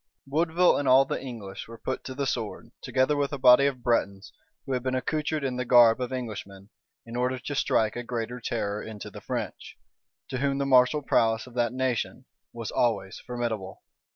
Woodville and all the English were put to the sword, together with a body of Bretons, who had been accoutred in the garb of Englishmen in order to strike a greater terror into the French, to whom the martial prowess of that nation was always formidable.